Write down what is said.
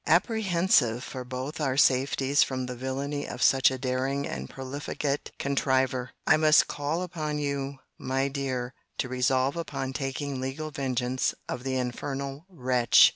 Apprehensive for both our safeties from the villany of such a daring and profligate contriver, I must call upon you, my dear, to resolve upon taking legal vengeance of the infernal wretch.